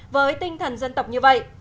với tinh thần dân tộc như vậy